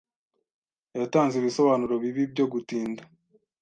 Yatanze ibisobanuro bibi byo gutinda.